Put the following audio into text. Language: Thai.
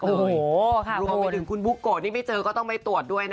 รวมไปถึงคุณบุโกไว้ที่ไม่เจอก็ต้องไปตรวจด้วย